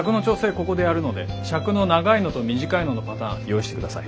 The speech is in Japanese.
ここでやるので尺の長いのと短いののパターン用意してください。